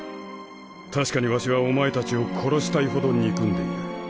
確かに儂はお前たちを殺したいほど憎んでいる。